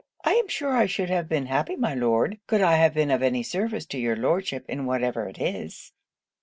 I am sure I should have been happy, my Lord, could I have been of any service to your Lordship in whatever it is.'